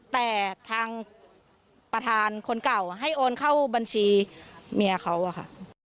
แต่ทางประธานคนเก่าให้โอนเข้าบัญชีเมียเขาอะค่ะ